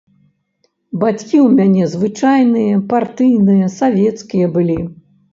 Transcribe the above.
Бацькі ў мяне звычайныя, партыйныя, савецкія былі.